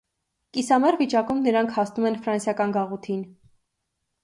Կիսամեռ վիճակում նրանք հասնում են ֆրանսիական գաղութին։